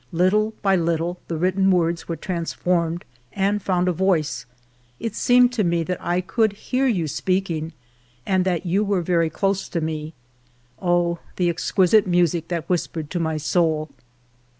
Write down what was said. Little by little the written words were transformed and found a voice ; it seemed to me that I could hear you speaking and that you were very close to me. Oh, the exquisite music that whispered to my soul